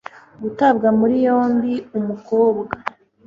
gutabwa muri yombi umukobwa